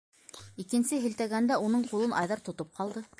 Икенсе һелтәгәндә уның ҡулын Айҙар тотоп ҡалды.